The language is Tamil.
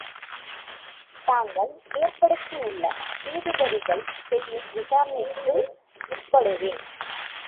தாங்கள் ஏற்படுத்தியுள்ள நீதிபதிகள் செய்யும் விசாரணைக்கு உட்படுவேன்.